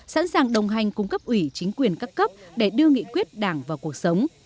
sẵn sàng đồng hành cung cấp ủy chính quyền các cấp để đưa nghị quyết đảng vào cuộc sống